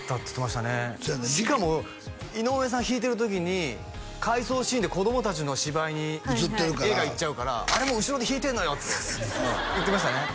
しかも井上さん弾いてる時に回想シーンで子供達の芝居に画が行っちゃうからあれも後ろで弾いてんのよって言ってましたね